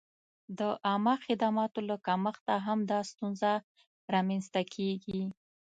د عامه خدماتو له کمښته هم دا ستونزه را منځته کېږي.